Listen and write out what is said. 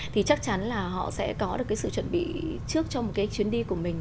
thì chắc chắn là họ sẽ có được cái sự chuẩn bị trước cho một cái chuyến đi của mình